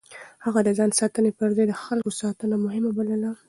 هغه د ځان ساتنې پر ځای د خلکو ساتنه مهمه بلله.